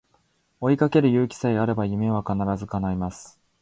追いかける勇気さえあれば夢は必ず叶います